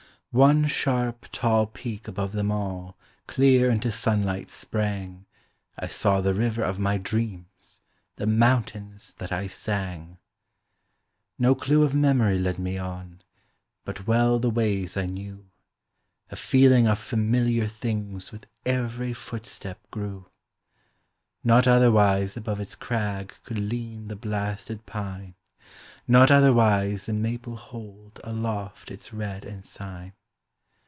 One sharp, tall peak above them all Clear into sunlight sprang I saw the river of my dreams, The mountains that I sang! No clue of memory led me on, But well the ways I knew; A feeling of familiar things With every footstep grew. Not otherwise above its crag Could lean the blasted pine; Not otherwise the maple hold Aloft its red ensign.